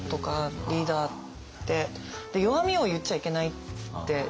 弱みを言っちゃいけないって。